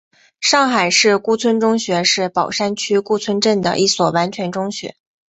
上海市顾村中学是宝山区顾村镇的一所完全中学。